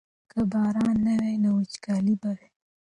که باران نه وای نو وچکالي به وه.